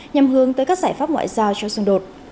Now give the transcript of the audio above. nhằm hướng tới các giải pháp ngoại giao cho xung đột